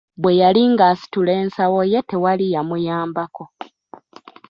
Bwe yali ng'asitula ensawo ye tewali yamuyambako.